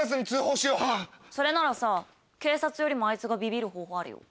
それならさ警察よりもあいつがビビる方法あるよ。